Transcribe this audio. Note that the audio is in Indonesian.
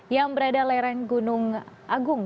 yang berada lereng gunung agung